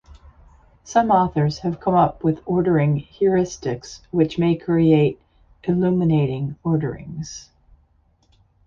Some authors have come up with ordering heuristics which may create illuminating orderings.